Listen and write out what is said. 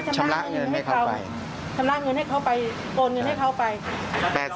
ทำลายเงินให้เขาไป